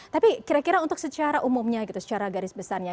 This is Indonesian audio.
tapi kira kira untuk secara umumnya gitu secara garis besarnya